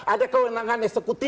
ada kewenangan eksekutif